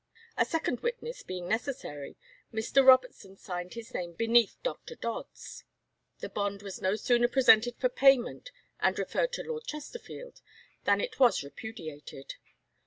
A second witness being necessary, Mr. Robertson signed his name beneath Dr. Dodd's. The bond was no sooner presented for payment, and referred to Lord Chesterfield, than it was repudiated.